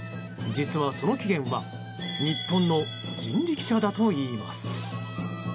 実は、その起源は日本の人力車だといいます。